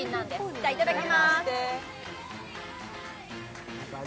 じゃあ、いただきまーす。